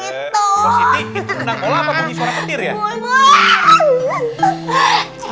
itu nendang bola apa bunyi suara petir ya